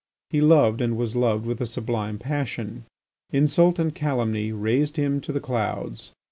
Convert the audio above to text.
He loved and was loved with a sublime passion. Insult and calumny raised him to the clouds.